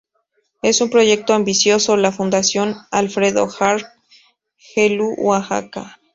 En un proyecto ambicioso, la Fundación Alfredo Harp Helú Oaxaca.